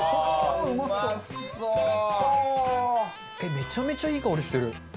めちゃめちゃいい香りしてる。